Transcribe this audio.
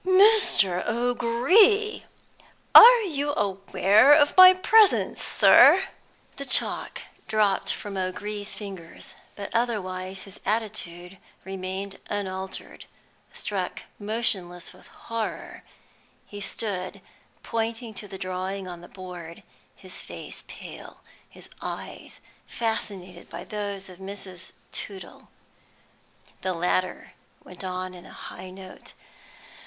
"Mr. O'Gree! Are you aware of my presence, sir?" The chalk dropped from O'Gree's fingers, but otherwise his attitude remained unaltered; struck motionless with horror, he stood pointing to the drawing on the board, his face pale, his eyes fascinated by those of Mrs. Tootle. The latter went on in a high note.